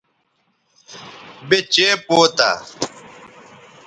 یے چئے پوتہ